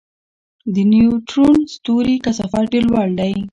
د نیوټرون ستوري کثافت ډېر لوړ دی.